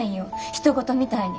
ひと事みたいに。